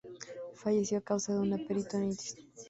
Falleció a causa de una peritonitis.